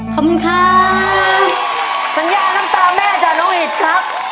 ขอบคุณค่ะสัญญาน้ำตาแม่จากน้องอิฐครับ